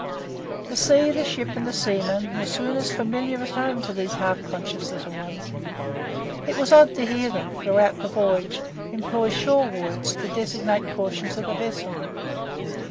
The sea, the ship, and the seamen were soon as familiar as home to these half conscious little ones. It was odd to hear them, throughout the voyage, employ shore words to designate portions of the vessel.